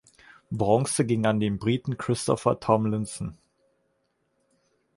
Bronze ging an den Briten Christopher Tomlinson.